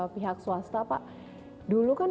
pihak swasta pak dulu kan